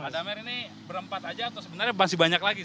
pak damer ini berempat aja atau sebenarnya masih banyak lagi